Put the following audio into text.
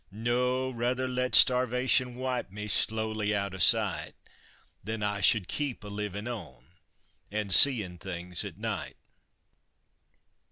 No, ruther let Starvation wipe me slowly out o' sight Than I should keep a livin' on an' seein' things at night!